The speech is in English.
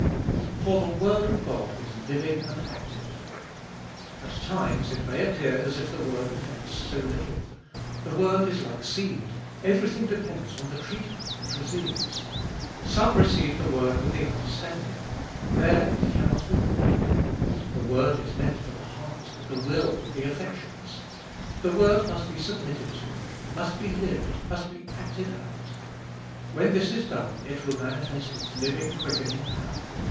For the word of God is living and active. At times it may appear as if the word effects so little. The word is like seed : everything depends on the treatment it receives. Some receive the word with the understanding : there it cannot be quickened. The word is meant for the heart, the will, the affections. The word must be submitted to, must be lived, must be acted out. When this is done it will manifest its living, quickening power.